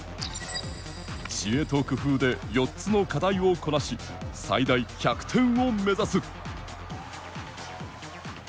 知恵と工夫で４つの課題をこなし最大１００点を目指す。